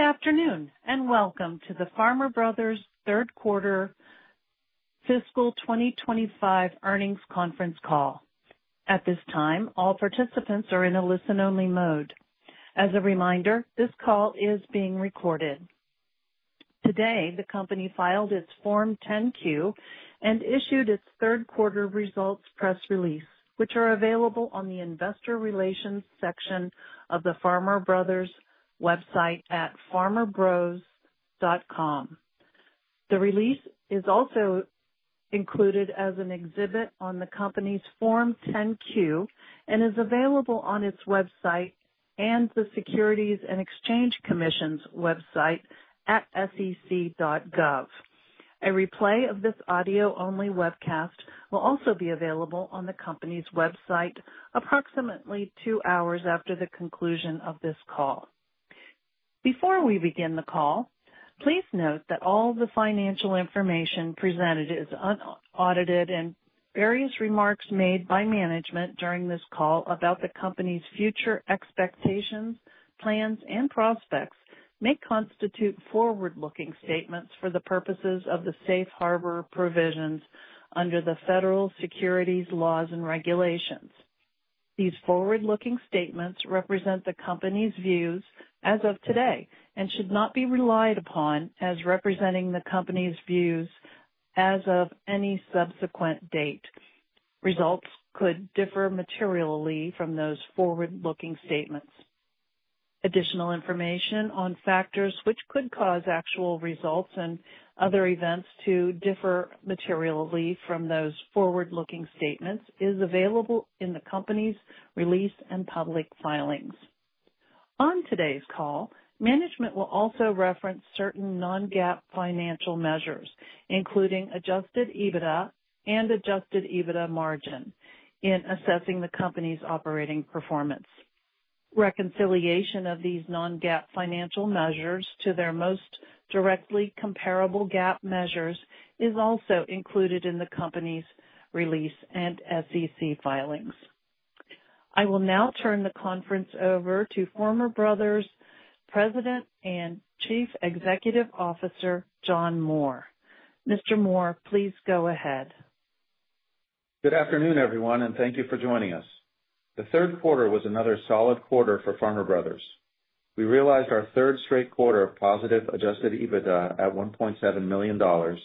Good afternoon and welcome to the Farmer Brothers Third Quarter, Fiscal 2025 Earnings Conference Call. At this time, all participants are in a listen-only mode. As a reminder, this call is being recorded. Today, the company filed its Form 10-Q and issued its third-quarter results press release, which are available on the Investor Relations section of the Farmer Brothers website at farmerbros.com. The release is also included as an exhibit on the company's Form 10-Q and is available on its website and the Securities and Exchange Commission's website at sec.gov. A replay of this audio-only webcast will also be available on the company's website approximately two hours after the conclusion of this call. Before we begin the call, please note that all the financial information presented is unaudited, and various remarks made by management during this call about the company's future expectations, plans, and prospects may constitute forward-looking statements for the purposes of the safe harbor provisions under the federal securities laws and regulations. These forward-looking statements represent the company's views as of today and should not be relied upon as representing the company's views as of any subsequent date. Results could differ materially from those forward-looking statements. Additional information on factors which could cause actual results and other events to differ materially from those forward-looking statements is available in the company's release and public filings. On today's call, management will also reference certain non-GAAP financial measures, including adjusted EBITDA and adjusted EBITDA margin, in assessing the company's operating performance. Reconciliation of these non-GAAP financial measures to their most directly comparable GAAP measures is also included in the company's release and SEC filings. I will now turn the conference over to Farmer Brothers President and Chief Executive Officer, John Moore. Mr. Moore, please go ahead. Good afternoon, everyone, and thank you for joining us. The third quarter was another solid quarter for Farmer Brothers. Third Quarter. We realized our third straight quarter of positive adjusted EBITDA at $1.7 million,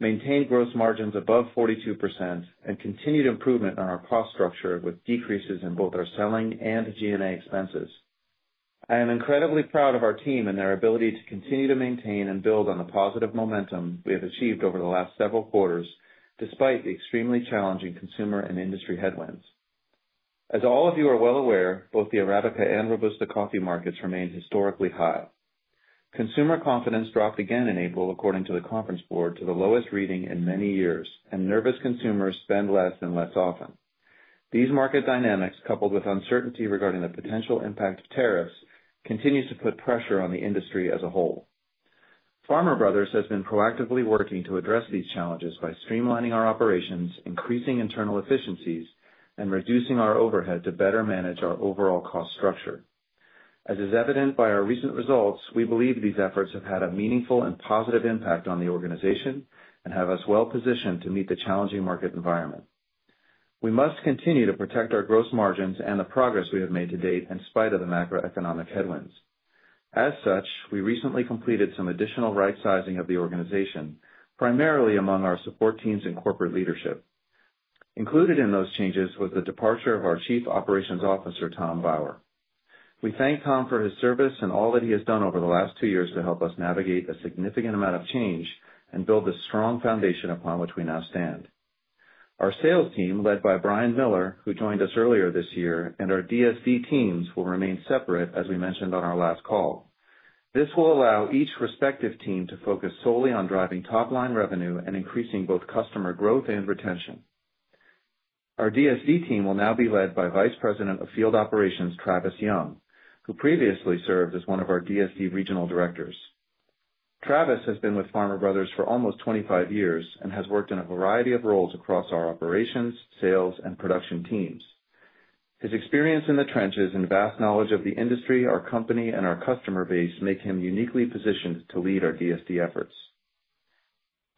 maintained gross margins above 42%, and continued improvement on our cost structure with decreases in both our selling and G&A expenses. I am incredibly proud of our team and their ability to continue to maintain and build on the positive momentum we have achieved over the last several quarters, despite the extremely challenging consumer and industry headwinds. As all of you are well aware, both the Arabica and Robusta coffee markets remained historically high. Consumer confidence dropped again in April, according to the Conference Board, to the lowest reading in many years, and nervous consumers spend less and less often. These market dynamics, coupled with uncertainty regarding the potential impact of tariffs, continue to put pressure on the industry as a whole. Farmer Brothers has been proactively working to address these challenges by streamlining our operations, increasing internal efficiencies, and reducing our overhead to better manage our overall cost structure. As is evident by our recent results, we believe these efforts have had a meaningful and positive impact on the organization and have us well positioned to meet the challenging market environment. We must continue to protect our gross margins and the progress we have made to date, in spite of the macroeconomic headwinds. As such, we recently completed some additional right-sizing of the organization, primarily among our support teams and corporate leadership. Included in those changes was the departure of our Chief Operations Officer, Tom Bauer. We thank Tom for his service and all that he has done over the last two years to help us navigate a significant amount of change and build the strong foundation upon which we now stand. Our sales team, led by Brian Miller, who joined us earlier this year, and our DSD teams will remain separate, as we mentioned on our last call. This will allow each respective team to focus solely on driving top-line revenue and increasing both customer growth and retention. Our DSD team will now be led by Vice President of Field Operations, Travis Young, who previously served as one of our DSD regional directors. Travis has been with Farmer Brothers for almost 25 years and has worked in a variety of roles across our operations, sales, and production teams. His experience in the trenches and vast knowledge of the industry, our company, and our customer base make him uniquely positioned to lead our DSD efforts.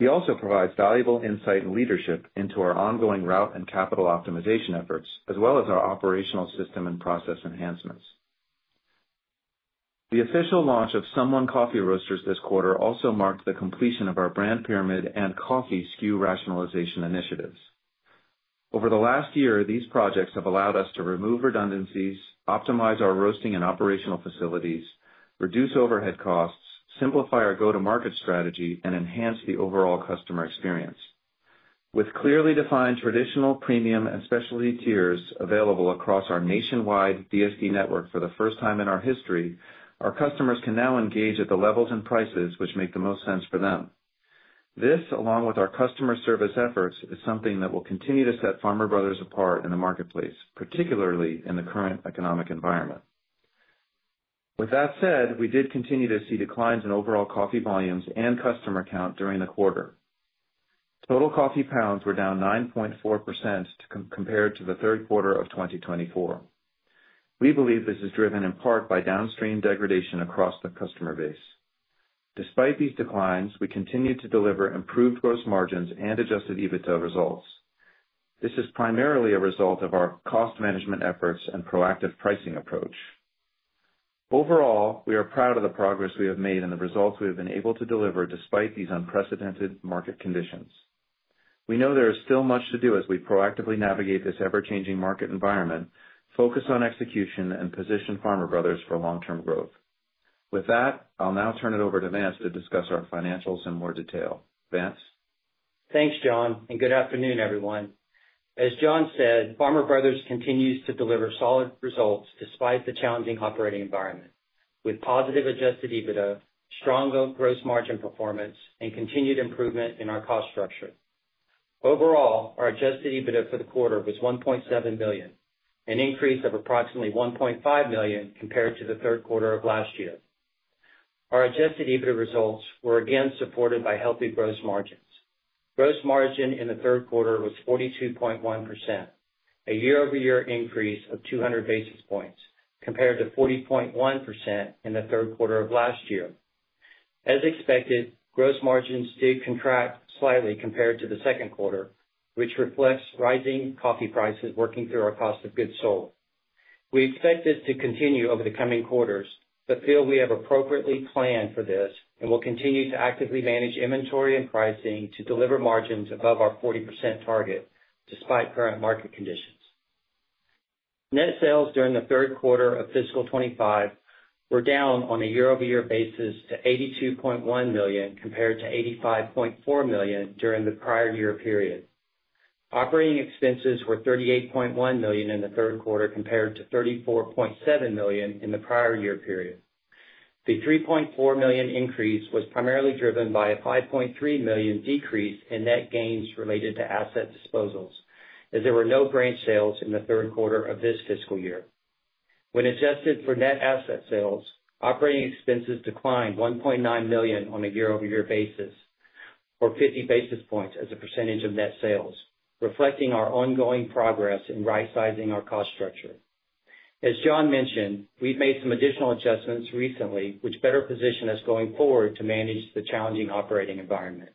He also provides valuable insight and leadership into our ongoing route and capital optimization efforts, as well as our operational system and process enhancements. The official launch of Sum>One Coffee Roasters this quarter also marked the completion of our brand pyramid and coffee SKU rationalization initiatives. Over the last year, these projects have allowed us to remove redundancies, optimize our roasting and operational facilities, reduce overhead costs, simplify our go-to-market strategy, and enhance the overall customer experience. With clearly defined traditional, premium, and specialty tiers available across our nationwide DSD network for the first time in our history, our customers can now engage at the levels and prices which make the most sense for them. This, along with our customer service efforts, is something that will continue to Farmer Brothers apart in the marketplace, particularly in the current economic environment. With that said, we did continue to see declines in overall coffee volumes and customer count during the quarter. Total coffee pounds were down 9.4% compared to the third quarter of 2024. We believe this is driven in part by downstream degradation across the customer base. Despite these declines, we continue to deliver improved gross margins and adjusted EBITDA results. This is primarily a result of our cost management efforts and proactive pricing approach. Overall, we are proud of the progress we have made and the results we have been able to deliver despite these unprecedented market conditions. We know there is still much to do as we proactively navigate this ever-changing market environment, focus on execution, and position Farmer Brothers for long-term growth. With that, I'll now turn it over to Vance to discuss our financials in more detail. Vance? Thanks, John, and good afternoon, everyone. As John said Farmer Brothers continues to deliver solid results despite the challenging operating environment, with positive adjusted EBITDA, strong gross margin performance, and continued improvement in our cost structure. Overall, our adjusted EBITDA for the quarter was $1.7 million, an increase of approximately $1.5 million compared to the third quarter of last year. Our adjusted EBITDA results were again supported by healthy gross margins. Gross margin in the third quarter was 42.1%, a year-over-year increase of 200 basis points compared to 40.1% in the third quarter of last year. As expected, gross margins did contract slightly compared to the second quarter, which reflects rising coffee prices working through our cost of goods sold. We expect this to continue over the coming quarters, but feel we have appropriately planned for this and will continue to actively manage inventory and pricing to deliver margins above our 40% target despite current market conditions. Net sales during the third quarter of fiscal 2025 were down on a year-over-year basis to $82.1 million compared to $85.4 million during the prior year period. Operating expenses were $38.1 million in the third quarter compared to $34.7 million in the prior year period. The $3.4 million increase was primarily driven by a $5.3 million decrease in net gains related to asset disposals, as there were no branch sales in the third quarter of this fiscal year. When adjusted for net asset sales, operating expenses declined $1.9 million on a year-over-year basis or 50 basis points as a percentage of net sales, reflecting our ongoing progress in right-sizing our cost structure. As John mentioned, we've made some additional adjustments recently, which better position us going forward to manage the challenging operating environment.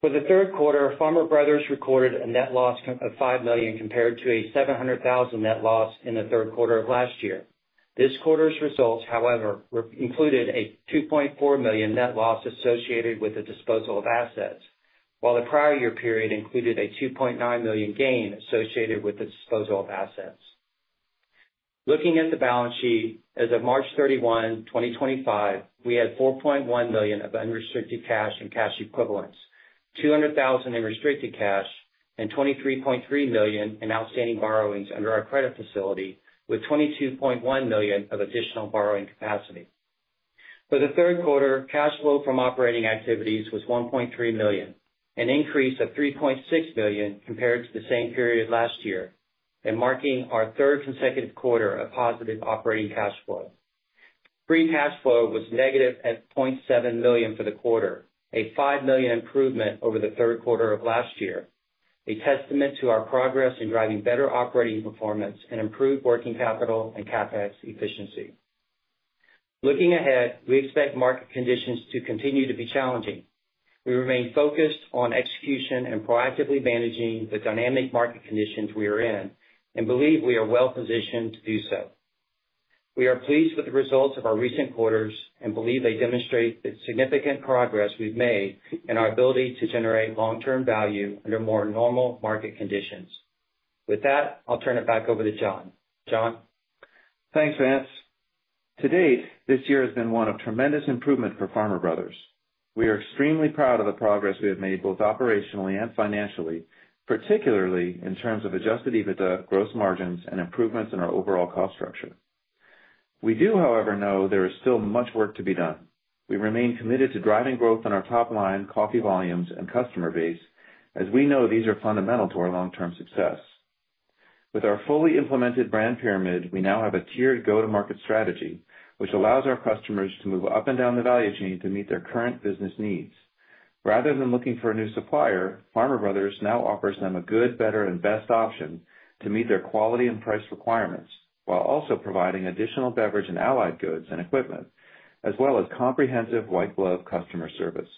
For the third quarter, Farmer Brothers recorded a net loss of $5 million compared to a $700,000 net loss in the third quarter of last year. This quarter's results, however, included a $2.4 million net loss associated with the disposal of assets, while the prior year period included a $2.9 million gain associated with the disposal of assets. Looking at the balance sheet, as of March 31, 2025, we had $4.1 million of unrestricted cash and cash equivalents, $200,000 in restricted cash, and $23.3 million in outstanding borrowings under our credit facility, with $22.1 million of additional borrowing capacity. For the third quarter, cash flow from operating activities was $1.3 million, an increase of $3.6 million compared to the same period last year, marking our third consecutive quarter of positive operating cash flow. Free cash flow was negative at $0.7 million for the quarter, a $5 million improvement over the third quarter of last year, a testament to our progress in driving better operating performance and improved working capital and CapEx efficiency. Looking ahead, we expect market conditions to continue to be challenging. We remain focused on execution and proactively managing the dynamic market conditions we are in and believe we are well positioned to do so. We are pleased with the results of our recent quarters and believe they demonstrate the significant progress we've made and our ability to generate long-term value under more normal market conditions. With that, I'll turn it back over to John. John? Thanks, Vance. To date, this year has been one of tremendous improvement for Farmer Brothers. Third Quarter. We are extremely proud of the progress we have made both operationally and financially, particularly in terms of adjusted EBITDA, gross margins, and improvements in our overall cost structure. We do, however, know there is still much work to be done. We remain committed to driving growth in our top-line coffee volumes and customer base, as we know these are fundamental to our long-term success. With our fully implemented brand pyramid, we now have a tiered go-to-market strategy, which allows our customers to move up and down the value chain to meet their current business needs. Rather than looking for a new supplier, Farmer Brothers now offers them a good, better, and best option to meet their quality and price requirements, while also providing additional beverage and allied goods and equipment, as well as comprehensive white-glove customer service.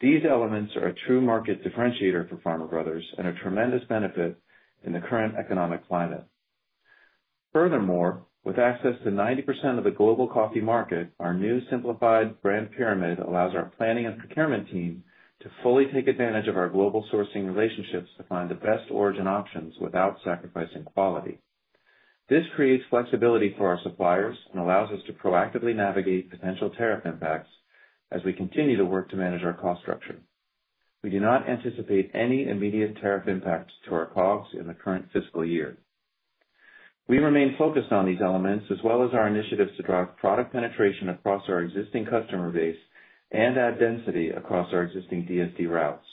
These elements are a true market differentiator for Farmer Brothers and a tremendous benefit in the current economic climate. Furthermore, with access to 90% of the global coffee market, our new simplified brand pyramid allows our planning and procurement team to fully take advantage of our global sourcing relationships to find the best origin options without sacrificing quality. This creates flexibility for our suppliers and allows us to proactively navigate potential tariff impacts as we continue to work to manage our cost structure. We do not anticipate any immediate tariff impacts to our COGS in the current fiscal year. We remain focused on these elements, as well as our initiatives to drive product penetration across our existing customer base and add density across our existing DSD routes.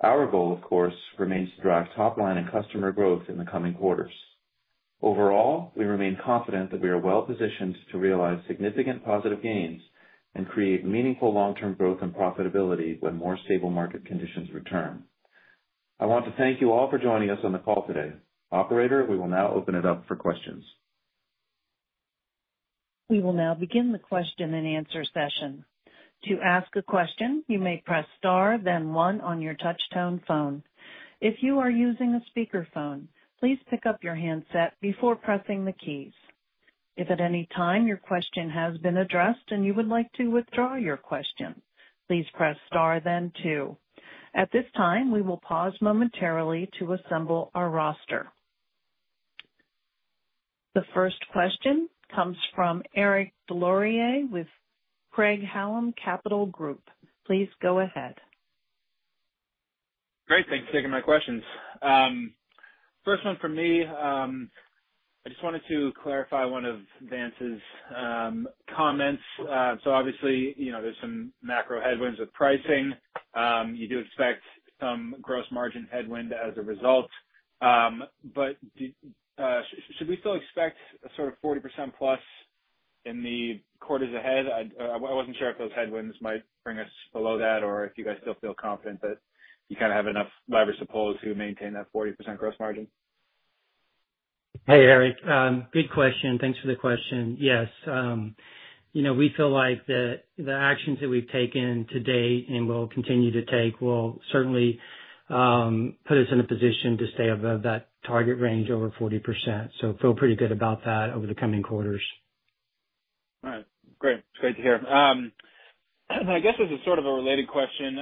Our goal, of course, remains to drive top-line and customer growth in the coming quarters. Overall, we remain confident that we are well positioned to realize significant positive gains and create meaningful long-term growth and profitability when more stable market conditions return. I want to thank you all for joining us on the call today. Operator, we will now open it up for questions. We will now begin the question and answer session. To ask a question, you may press star, then one on your touch-tone phone. If you are using a speakerphone, please pick up your handset before pressing the keys. If at any time your question has been addressed and you would like to withdraw your question, please press star, then two. At this time, we will pause momentarily to assemble our roster. The first question comes from Eric De Laurier with Craig-Hallum Capital Group. Please go ahead. Great. Thanks for taking my questions. First one for me, I just wanted to clarify one of Vance's comments. Obviously, there's some macro headwinds with pricing. You do expect some gross margin headwind as a result. Should we still expect a sort of 40%+ in the quarters ahead? I wasn't sure if those headwinds might bring us below that or if you guys still feel confident that you kind of have enough leverage to pull to maintain that 40% gross margin. Hey, Eric. Good question. Thanks for the question. Yes. We feel like the actions that we've taken to date and will continue to take will certainly put us in a position to stay above that target range over 40%. So feel pretty good about that over the coming quarters. All right. Great. It's great to hear. I guess this is sort of a related question.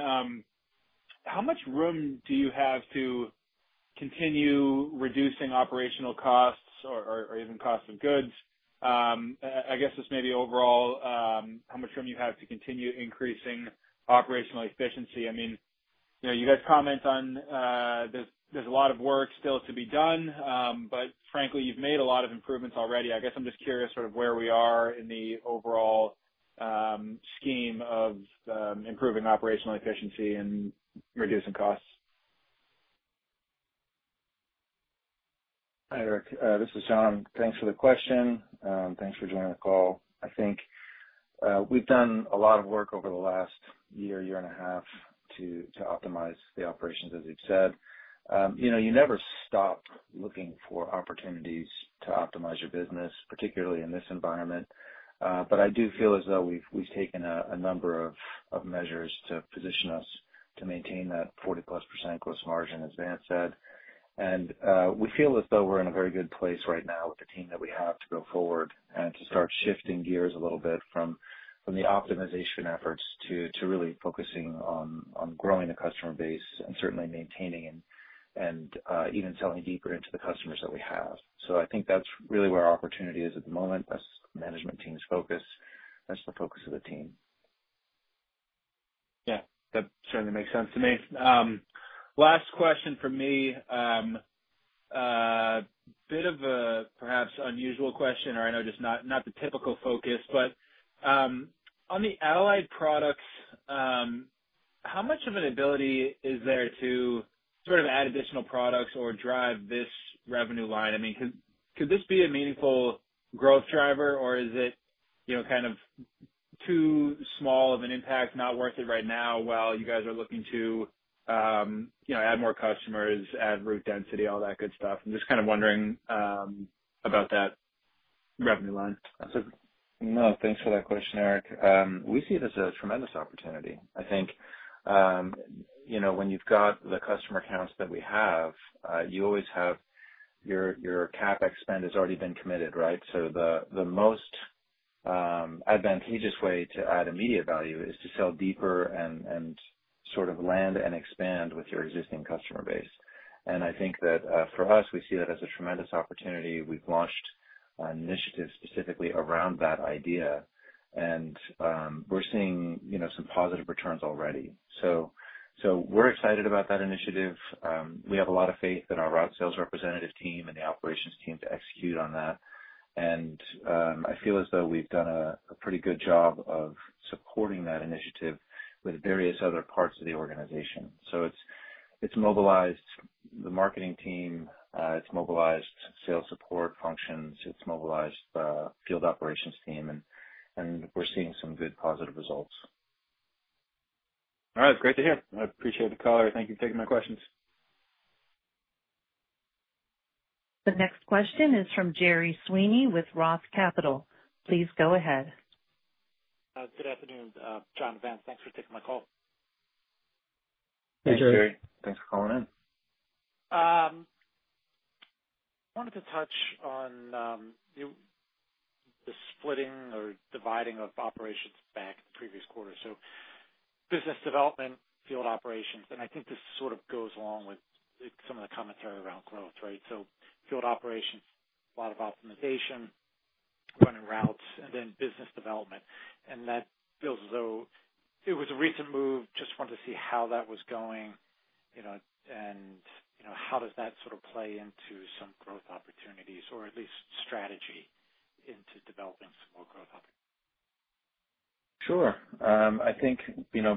How much room do you have to continue reducing operational costs or even cost of goods? I guess this may be overall how much room you have to continue increasing operational efficiency. I mean, you guys comment on there's a lot of work still to be done, but frankly, you've made a lot of improvements already. I guess I'm just curious sort of where we are in the overall scheme of improving operational efficiency and reducing costs. Hi, Eric. This is John. Thanks for the question. Thanks for joining the call. I think we've done a lot of work over the last year, year and a half to optimize the operations, as you've said. You never stop looking for opportunities to optimize your business, particularly in this environment. I do feel as though we've taken a number of measures to position us to maintain that 40+% gross margin, as Vance said. We feel as though we're in a very good place right now with the team that we have to go forward and to start shifting gears a little bit from the optimization efforts to really focusing on growing the customer base and certainly maintaining and even selling deeper into the customers that we have. I think that's really where our opportunity is at the moment. That's the management team's focus. That's the focus of the team. Yeah. That certainly makes sense to me. Last question for me. Bit of a perhaps unusual question, or I know just not the typical focus, but on the allied products, how much of an ability is there to sort of add additional products or drive this revenue line? I mean, could this be a meaningful growth driver, or is it kind of too small of an impact, not worth it right now while you guys are looking to add more customers, add route density, all that good stuff? I'm just kind of wondering about that revenue line. No, thanks for that question, Eric. We see it as a tremendous opportunity. I think when you've got the customer accounts that we have, you always have your CapEx spend has already been committed, right? The most advantageous way to add immediate value is to sell deeper and sort of land and expand with your existing customer base. I think that for us, we see that as a tremendous opportunity. We've launched an initiative specifically around that idea, and we're seeing some positive returns already. We are excited about that initiative. We have a lot of faith in our route sales representative team and the operations team to execute on that. I feel as though we've done a pretty good job of supporting that initiative with various other parts of the organization. It has mobilized the marketing team. It has mobilized sales support functions. It's mobilized the field operations team, and we're seeing some good positive results. All right. It's great to hear. I appreciate the call, Eric. Thank you for taking my questions. The next question is from Gerry Sweeney with ROTH Capital. Please go ahead. Good afternoon, John and Vance. Thanks for taking my call. Hey, Gerry. Thanks for calling in. I wanted to touch on the splitting or dividing of operations back the previous quarter. Business development, field operations, and I think this sort of goes along with some of the commentary around growth, right? Field operations, a lot of optimization, running routes, and then business development. That feels as though it was a recent move. Just wanted to see how that was going and how does that sort of play into some growth opportunities or at least strategy into developing some more growth opportunities. Sure. I think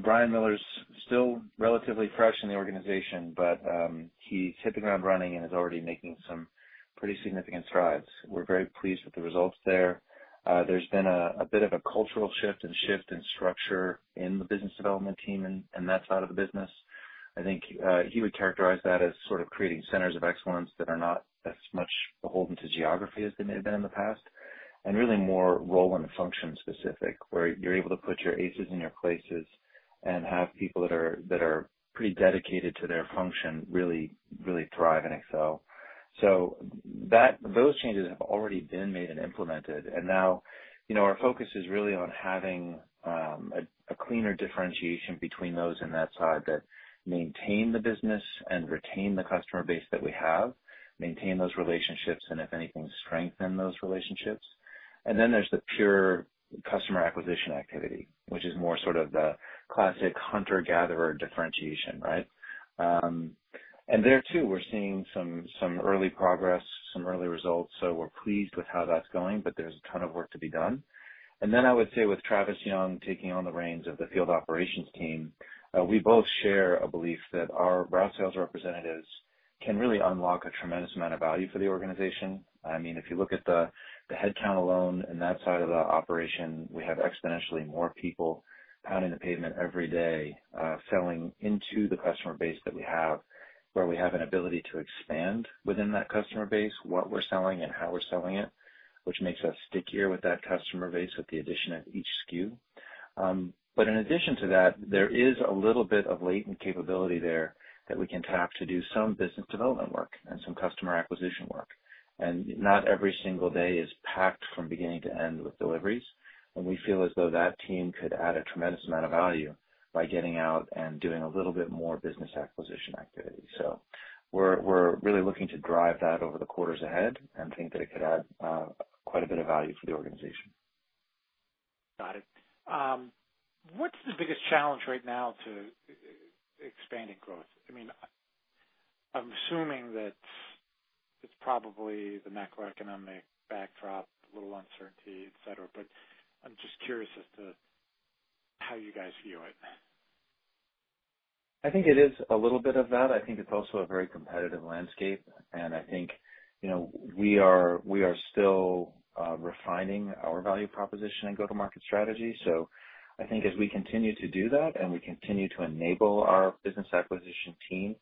Brian Miller's still relatively fresh in the organization, but he's hitting the ground running and is already making some pretty significant strides. We're very pleased with the results there. There's been a bit of a cultural shift and shift in structure in the business development team, and that's out of the business. I think he would characterize that as sort of creating centers of excellence that are not as much beholden to geography as they may have been in the past, and really more role and function specific, where you're able to put your aces in your places and have people that are pretty dedicated to their function really, really thrive and excel. Those changes have already been made and implemented. Our focus is really on having a cleaner differentiation between those and that side that maintain the business and retain the customer base that we have, maintain those relationships, and if anything, strengthen those relationships. There is the pure customer acquisition activity, which is more sort of the classic hunter-gatherer differentiation, right? There too, we're seeing some early progress, some early results. We're pleased with how that's going, but there's a ton of work to be done. I would say with Travis Young taking on the reins of the field operations team, we both share a belief that our route sales representatives can really unlock a tremendous amount of value for the organization. I mean, if you look at the headcount alone in that side of the operation, we have exponentially more people pounding the pavement every day selling into the customer base that we have, where we have an ability to expand within that customer base what we're selling and how we're selling it, which makes us stickier with that customer base with the addition of each SKU. In addition to that, there is a little bit of latent capability there that we can tap to do some business development work and some customer acquisition work. Not every single day is packed from beginning to end with deliveries. We feel as though that team could add a tremendous amount of value by getting out and doing a little bit more business acquisition activity. We're really looking to drive that over the quarters ahead and think that it could add quite a bit of value for the organization. Got it. What's the biggest challenge right now to expanding growth? I mean, I'm assuming that it's probably the macroeconomic backdrop, a little uncertainty, etc., but I'm just curious as to how you guys view it. I think it is a little bit of that. I think it is also a very competitive landscape. I think we are still refining our value proposition and go-to-market strategy. I think as we continue to do that and we continue to enable our business acquisition team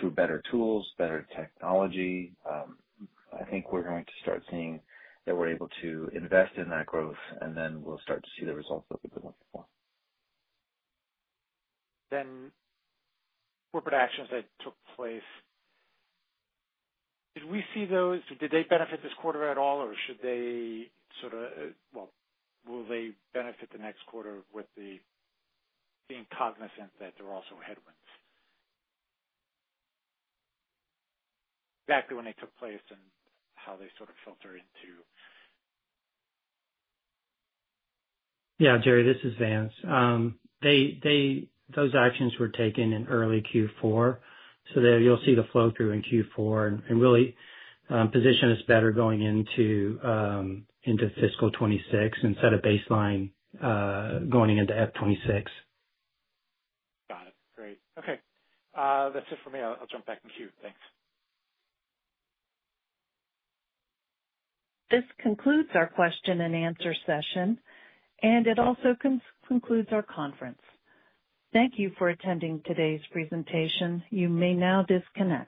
through better tools, better technology, I think we are going to start seeing that we are able to invest in that growth, and then we will start to see the results that we have been looking for. Corporate actions that took place, did we see those? Did they benefit this quarter at all, or should they sort of, well, will they benefit the next quarter with the being cognizant that there are also headwinds? Exactly when they took place and how they sort of filter into. Yeah, Gerry, this is Vance. Those actions were taken in early Q4. You will see the flow through in Q4 and really position us better going into fiscal 2026 instead of baseline going into F 2026. Got it. Great. Okay. That's it for me. I'll jump back in queue. Thanks. This concludes our question and answer session, and it also concludes our conference. Thank you for attending today's presentation. You may now disconnect.